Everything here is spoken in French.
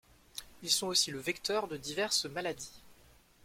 Ils sont aussi le vecteur de diverses maladies.